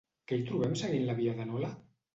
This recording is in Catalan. Què hi trobem seguint la via de Nola?